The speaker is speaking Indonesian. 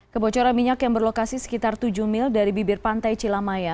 kebocoran minyak yang berlokasi sekitar tujuh mil dari bibir pantai cilamaya